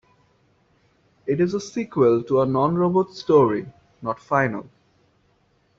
It is a sequel to a non-robot story, Not Final!